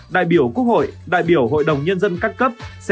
đại biểu quốc hội đại biểu hội đồng nhân dân các cấp